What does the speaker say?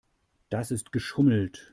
Das ist geschummelt.